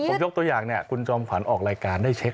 ผมยกตัวอย่างเนี่ยคุณจอมขวัญออกรายการได้เช็ค